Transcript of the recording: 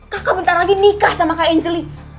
kakak bentar lagi nikah sama kak angelie